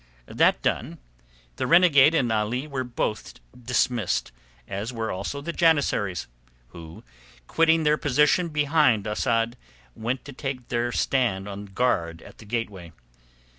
That done, the renegade and Ali were both dismissed, as were also the janissaries, who, quitting their position behind Asad, went to take their stand on guard at the gateway.